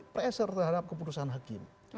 pressure terhadap keputusan hakim